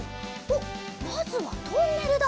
まずはトンネルだ。